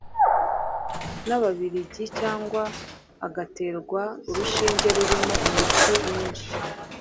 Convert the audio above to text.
nababiligi cyangwa agaterwa urushinge rurimo umuti mwinshi